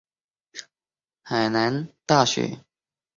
海南大学主校区位于大道西侧。